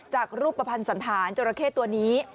จากรูปประพันธ์สันธารจราเข้ตัวนี้